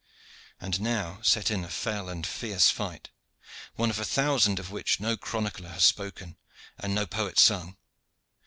And now set in a fell and fierce fight, one of a thousand of which no chronicler has spoken and no poet sung.